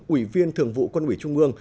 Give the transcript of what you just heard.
ủy viên thường vụ quân ủy trung ương